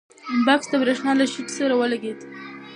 بکس د برېښنا له شیټ سره ولګېد.